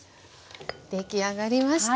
出来上がりました。